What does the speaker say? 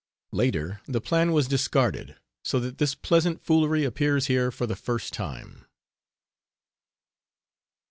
Later the plan was discarded, so that this pleasant foolery appears here for the first, time.